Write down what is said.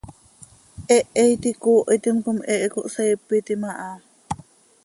Hehe iti icoohitim com hehe cohseepitim aha.